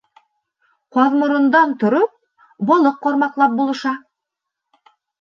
Ҡаҙморондан тороп, балыҡ ҡармаҡлап булаша.